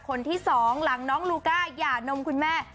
คนที่สองหลังน้องลูก้าหย่านมคุณแม่